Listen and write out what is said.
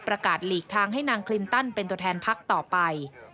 หลีกทางให้นางคลินตันเป็นตัวแทนพักต่อไป